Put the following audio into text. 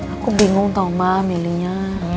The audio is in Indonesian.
aku bingung tau mbak milihnya